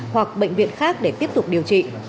hoặc bệnh viện khác để tiếp tục điều trị